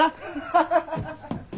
ハハハハハ。